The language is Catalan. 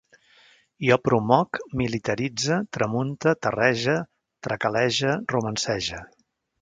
Jo promoc, militaritze, tramunte, terrege, tracalege, romancege